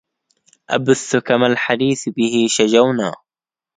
أبثك ما الحديث به شجونا